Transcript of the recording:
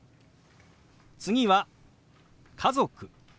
次は「家族」。